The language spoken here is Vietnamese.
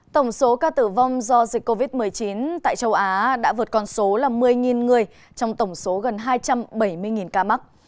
tổng số ca tử vong do dịch covid một mươi chín tại châu á đã vượt con số là một mươi người trong tổng số gần hai trăm bảy mươi ca mắc